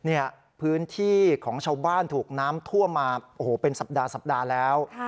เนี่ยพื้นที่ของชาวบ้านถูกน้ำท่วมมาโอ้โหเป็นสัปดาห์สัปดาห์แล้ว